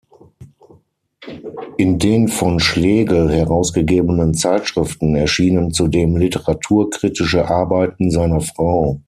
In den von Schlegel herausgegebenen Zeitschriften erschienen zudem literaturkritische Arbeiten seiner Frau.